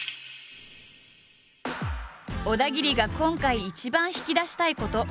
小田切が今回一番引き出したいこと。